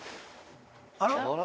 あら？